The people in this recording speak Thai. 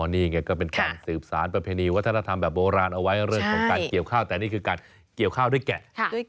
นี่ไงก็เป็นการสืบสารประเพณีวัฒนธรรมแบบโบราณเอาไว้เรื่องของการเกี่ยวข้าวแต่นี่คือการเกี่ยวข้าวด้วยแกะ